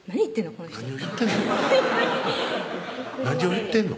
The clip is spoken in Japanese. この人何を言ってんの？